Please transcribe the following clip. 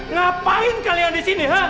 ngapain kalian disini